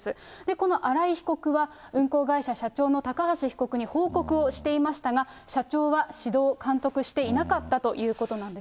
この荒井被告は、運行会社社長の高橋被告に報告をしていましたが、社長は指導・監督していなかったということなんです。